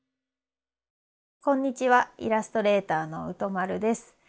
こんにちはイラストレーターのＵｔｏｍａｒｕです。